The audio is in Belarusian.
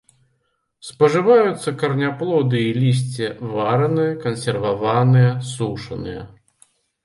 Спажываюцца караняплоды і лісце вараныя, кансерваваныя, сушаныя.